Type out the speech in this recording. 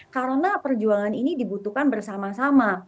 karena perjuangan ini dibutuhkan bersama sama